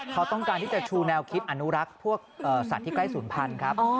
เขาต้องการที่จะชูแนวคิดอนุรักษ์พวกสัตว์ที่ใกล้ศูนย์พันธุ์ครับ